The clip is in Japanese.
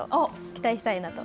期待したいなと。